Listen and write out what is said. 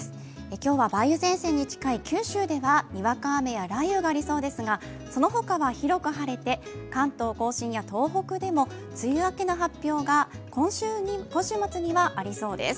今日は梅雨前線に近い九州ではにわか雨や雷雨がありそうですがそのほかは広く晴れて関東甲信や東北でも梅雨明けの発表が今週末にはありそうです。